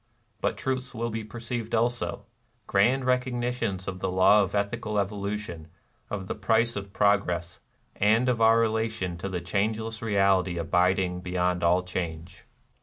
But truths will be perceived also, — grand recognitions of the law of ethical evolution, of the price of pro gress, and of our relation to the changeless Reality abiding beyond all change.